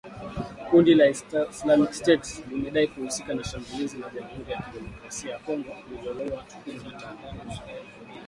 Kundi la Islamic State limedai kuhusika na shambulizi la Jamuhuri ya Kidemokrasia ya Congo lililouwa watu kumi na tano